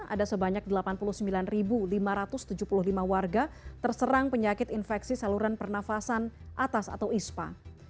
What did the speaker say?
ada sebanyak delapan puluh sembilan lima ratus tujuh puluh lima warga terserang penyakit infeksi saluran pernafasan atas atau ispa